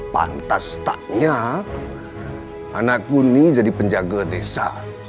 pantas taknya anakku ini jadi penjaga desa